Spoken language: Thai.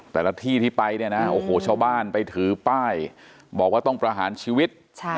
แต่ละที่ที่ไปเนี่ยนะโอ้โหชาวบ้านไปถือป้ายบอกว่าต้องประหารชีวิต